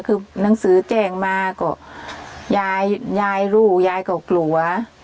คือหนังสือแจ้งมาก็ยายยายรู้ยายก็กลัว